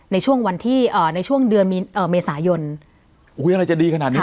ในช่วงวันที่ในช่วงเดือนเอ่อเมษายนอุ้ยอะไรจะดีขนาดนี้